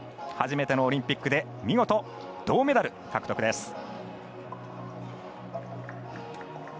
初めてのオリンピックで見事銅メダル獲得です。